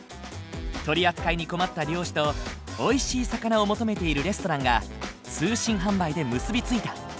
取り扱いに困った漁師とおいしい魚を求めているレストランが通信販売で結び付いた。